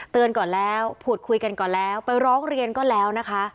ก่อนแล้วพูดคุยกันก่อนแล้วไปร้องเรียนก็แล้วนะคะ